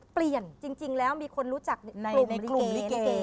เปลี่ยนจริงแล้วมีคนรู้จักกลุ่มลิเก